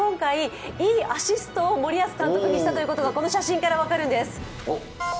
いいアシストを森保監督にしたということがこの写真から分かるんです。